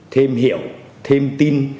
thêm hiểu thêm tin